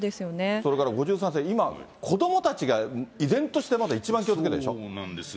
それから、５３世、今、子どもたちが依然としてまだ一番気をつけなきゃいけないんですよ